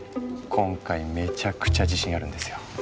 今回めちゃくちゃ自信あるんですよ。